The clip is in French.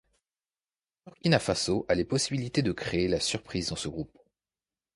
Le Burkina Faso a les possibilités de créer la surprise dans ce groupe.